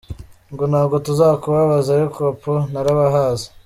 Ngo ntabwo tuzakubabaza, ariko apuuu narabahaze !”